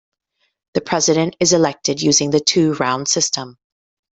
The President is elected using the two-round system.